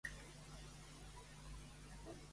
De què està en contra Campos?